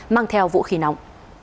mang theo vũ khí nóng